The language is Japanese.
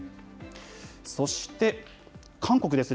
そして、韓国ですね。